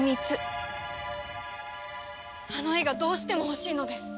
あの絵がどうしても欲しいのです。